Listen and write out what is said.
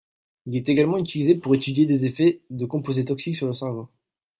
Il est également utilisé pour étudier des effets de composés toxiques sur le cerveau.